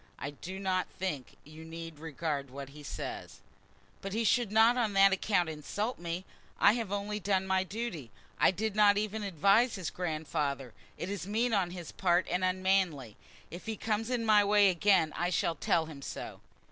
"I do not think you need regard what he says." "But he should not on that account insult me. I have only done my duty. I did not even advise his grandfather. It is mean on his part and unmanly. If he comes in my way again I shall tell him so."